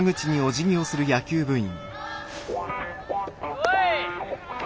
おい。